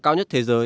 cao nhất thế giới